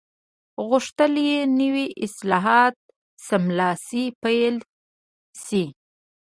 غوښتل یې نوي اصلاحات سملاسي پلي شي.